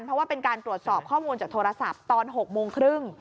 เพราะว่าเป็นการตรวจสอบข้อมูลจากโทรศัพท์ตอน๖โมงครึ่ง